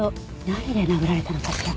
何で殴られたのかしら？